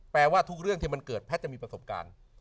ว่าทุกเรื่องที่มันเกิดแพทย์จะมีประสบการณ์